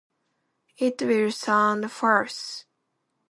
It will sound false.